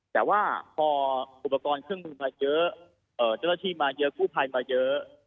แต่ว่าพออุปกรณ์เครื่องมือมาเยอะเจ้าหน้าที่มาเยอะกู้ภัยมาเยอะ